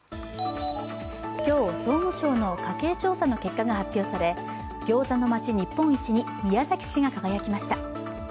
今日、総務省の家計調査の結果が発表されギョーザの町、日本一に宮崎市が輝きました。